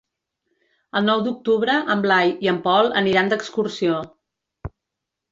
El nou d'octubre en Blai i en Pol aniran d'excursió.